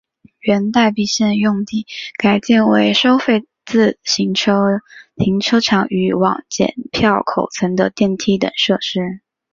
原待避线用地改建为收费自行车停车场与往剪票口层的电梯等设施。